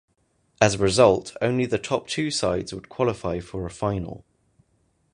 As a result only the top two sides would qualify for a final.